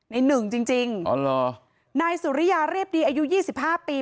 หนึ่งจริงจริงอ๋อเหรอนายสุริยาเรียบดีอายุยี่สิบห้าปี